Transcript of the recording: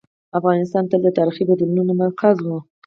افغانستان تل د تاریخي بدلونونو مرکز و.